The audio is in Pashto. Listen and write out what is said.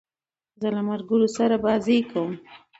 زه له ملګرو سره بازۍ کوم.